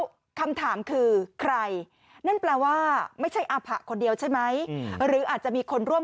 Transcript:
แล้วคำถามคือใครนั่นแปลว่าไม่ใช่อาผะคนเดียวใช่ไหมหรืออาจจะมีคนร่วม